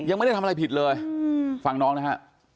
ยังไม่ได้ทำอะไรผิดเลยฟังน้องนะฮะ